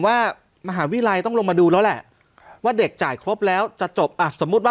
ว่ามหาวิทยาลัยต้องลงมาดูแล้วแหละว่าเด็กจ่ายครบแล้วจะจบอ่ะสมมุติว่า